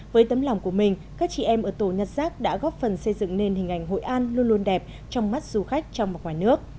với tấm lòng của mình các chị em ở tổ nhặt rác đã góp phần xây dựng nền hình ảnh hội an luôn luôn đẹp trong mắt du khách trong và ngoài nước